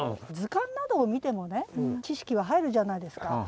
図鑑などを見てもね知識は入るじゃないですか。